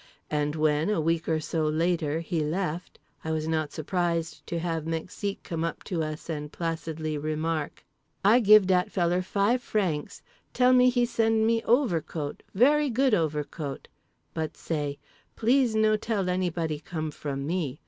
And when, a week or so later, he left—I was not surprised to have Mexique come up to us and placidly remark: "I give dat feller five francs. Tell me he send me overcoat, very good overcoat. But say: Please no tell anybody come from me.